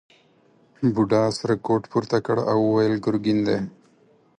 بوډا سره کوټ پورته کړ او وویل ګرګین دی.